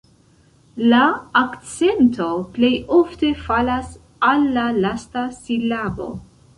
La akcento plej ofte falas al la lasta silabo.